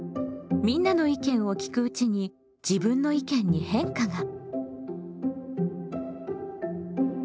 みんなの意見を聞くうちに自分の意見に変化が。